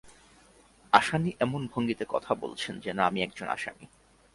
আসানী এমন ভঙ্গিতে কথা বলছেন যেন আমি একজন আসামী।